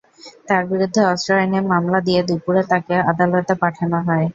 তাঁর বিরুদ্ধে অস্ত্র আইনে মামলা দিয়ে দুপুরে তাঁকে আদালতে পাঠানো হয়।